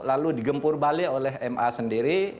lalu digempur balik oleh ma sendiri